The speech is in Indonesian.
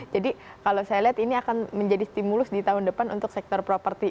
jadi kalau saya lihat ini akan menjadi stimulus di tahun depan untuk sektor properti